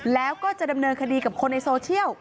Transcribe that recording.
แล้วก็จะดำเนินคดีกับคนในโซเชียล